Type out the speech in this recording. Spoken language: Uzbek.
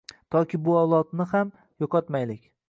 Toki bu avlodni ham yo‘qotmaylik.